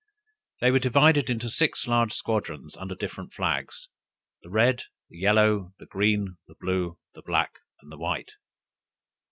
They were divided into six large squadrons, under different flags; the red, the yellow, the green, the blue, the black and the white.